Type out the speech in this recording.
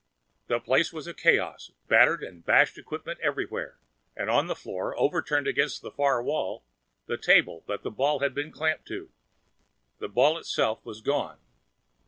The place was a chaos, battered and bashed equipment everywhere, and on the floor, overturned against the far wall, the table that the ball had been clamped to. The ball itself was gone.